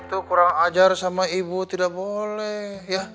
itu kurang ajar sama ibu tidak boleh